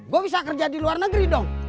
gue bisa kerja di luar negeri dong